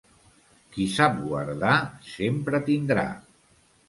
Qui sap guardar, sempre tindrà.